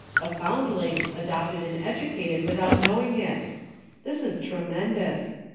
A foundling, adopted and educated without knowing it. This is tremen dous !